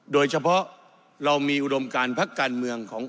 โดยเฉพาะเรามีอุดมการพักการเมืองของ